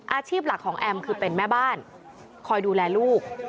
อาชีพหลักของแอมคือเป็นแม่บ้านคอยดูแลลูก